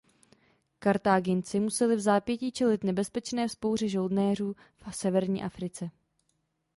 Kartáginci museli vzápětí čelit nebezpečné vzpouře žoldnéřů v severní Africe.